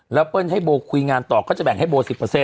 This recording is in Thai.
แล้วเปิ้ลให้โบคุยงานต่อก็จะแบ่งให้โบ๑๐